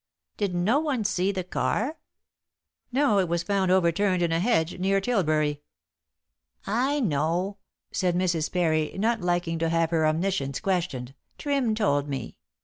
"Did no one see the car?" "No, it was found overturned in a hedge, near Tilbury." "I know," said Mrs. Parry, not liking to have her omniscience questioned; "Trim told me.